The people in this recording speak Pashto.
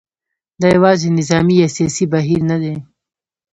دا یوازې نظامي یا سیاسي بهیر نه دی.